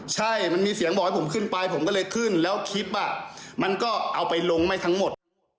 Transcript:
ใช่มันมีเสียงบอกให้ผมขึ้นไปผมก็เลยขึ้นแล้วคลิปมันก็เอาไปลงไม่ทั้งหมด